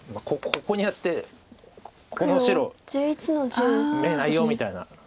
ここにやってこの白眼ないよみたいな。